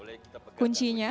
boleh kita pegang kuncinya